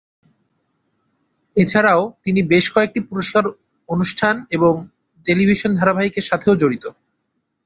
এছাড়াও তিনি বেশ কয়েকটি পুরস্কার অনুষ্ঠান এবং টেলিভিশন ধারাবাহিকের সাথেও জড়িত।